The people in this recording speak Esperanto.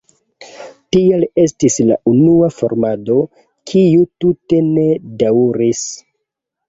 Tial estis la unua formado, kiu tute ne daŭris.